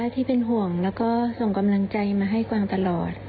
ที่เป็นห่วงแล้วก็ส่งกำลังใจมาให้กวางตลอด